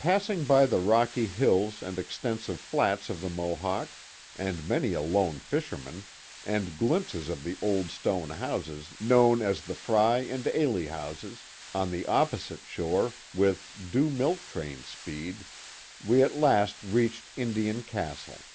Passing by the rocky hills and extensive flats of the Mo hawk, and many a lone fisherman, and glimpses of the old stone houses known as the Frey and Ehle houses, on the op posite shore, with due milk train speed we at last reached Indian Castle.